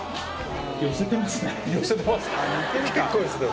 寄せてますよ。